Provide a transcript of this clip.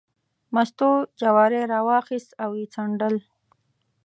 مستو جواری راواخیست او یې څنډل.